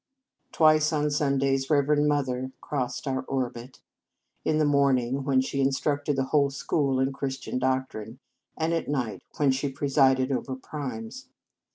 Twice on Sundays Reverend Mo ther crossed our orbit; in the morn ing, when she instructed the whole school in Christian doctrine, and at night, when she presided over Primes.